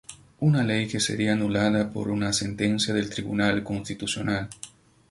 Una ley que sería anulada por una sentencia del Tribunal Constitucional.